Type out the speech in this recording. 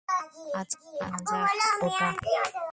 আচ্ছা, নেয়া যাক ওটা।